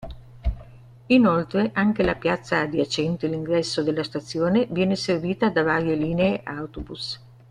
Inoltre anche la piazza adiacente l'ingresso della stazione viene servita da varie linee autobus.